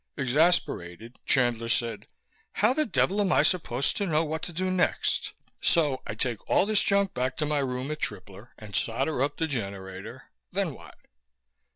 Exasperated, Chandler said, "How the devil am I supposed to know what to do next? So I take all this junk back to my room at Tripler and solder up the generator then what?"